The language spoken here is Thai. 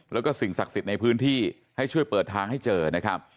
แล้วก็สิ่งศักดิ์สิทธิ์ในพื้นที่ให้ช่วยเปิดทางให้เจอนะครับ